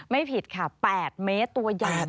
ไม่ผิดค่ะ๘เมตรตัวใหญ่มาก